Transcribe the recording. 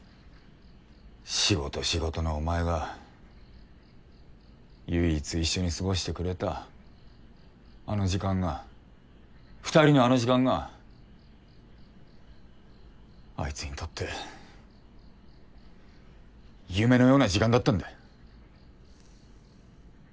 仕事仕事のお前が唯一一緒に過ごしてくれたあの時間が２人のあの時間があいつにとって夢のような時間だったんだよ。